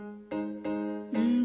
うん。